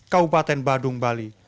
kabupaten badung bali